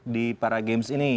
di para games ini